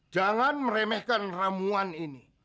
jangan meremehkan ramuan ini